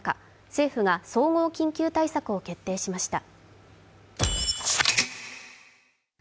政府が総合緊急対策を決定しました。